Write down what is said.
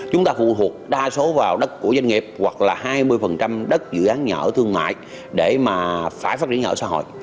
chúng ta phù hợp đa số vào đất của doanh nghiệp hoặc là hai mươi đất dự án nhỏ thương mại để mà phải phát triển nhỏ xã hội